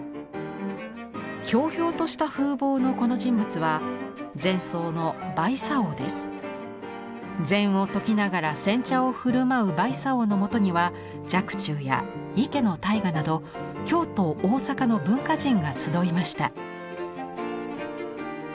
ひょうひょうとした風貌のこの人物は禅僧の禅を説きながら煎茶をふるまう売茶翁のもとには若冲や池大雅など京都大坂の文化人が集いました。